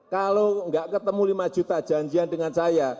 kalau enggak ketemu rp lima janjian dengan saya